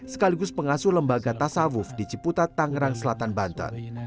sekaligus pengasuh lembaga tasawuf di ciputat tangerang selatan banten